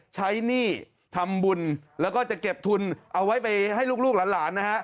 หนี้ทำบุญแล้วก็จะเก็บทุนเอาไว้ไปให้ลูกหลานนะฮะ